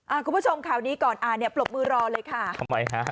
คุณผู้ชมข่าวนี้ก่อนอ่าเนี่ยปรบมือรอเลยค่ะทำไมฮะ